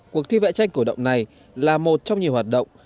cuộc thi vẽ tranh cổ động này là một trong nhiều hoạt động